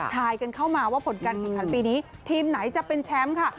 ทายกันเข้ามาว่าผลการแข่งขันปีนี้ทีมไหนจะเป็นแชมป์ค่ะ